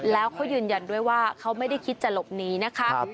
แล้วเขายืนยันด้วยว่าเขาไม่ได้คิดจะหลบหนีนะคะ